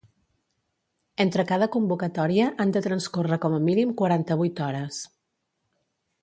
Entre cada convocatòria han de transcórrer com a mínim quaranta-vuit hores.